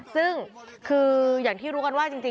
ซึ่งคืออย่างที่รู้กันว่าจริง